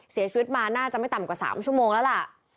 เสียชีวิตมาน่าจะไม่ต่ำกว่า๓ชั่วโมงแล้วล่ะ